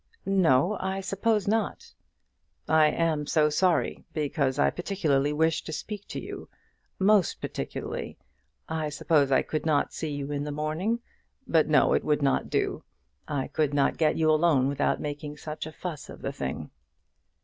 "No; I suppose not." "I am so sorry, because I particularly wished to speak to you, most particularly. I suppose I could not see you in the morning? But, no; it would not do. I could not get you alone without making such a fuss of the thing."